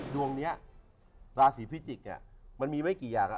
ดวงนี้ราศีพิจิกษ์มันมีไม่กี่อย่าง